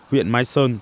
huyện mai sơn